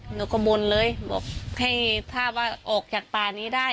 หนูก็บ่นเลยบอกให้ภาพว่าออกจากป่านี้ได้